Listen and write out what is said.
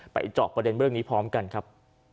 เจาะประเด็นเรื่องนี้พร้อมกันครับ